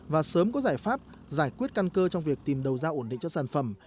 và sớm có giải pháp giải quyết căn cơ trong việc tìm đầu ra ổn định cho sản phẩm